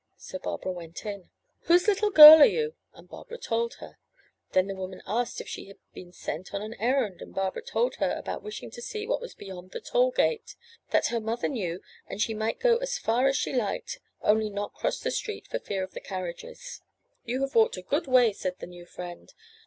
'* So Barbara went in. ''Whose little girl are you?'' and Barbara told her. Then the woman asked if she had been sent on an errand, and Barbara told her about wishing to see what was beyond the toll gate; that her mother knew, and she might go as far as she liked, only not cross the street for fear of the carriages. 443 MY BOOK HOUSE ''You have walked a good way," said the new friend.